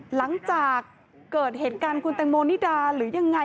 หลังจากเกิดเหตุการณ์คุณแตงโมนิดาหรือยังไง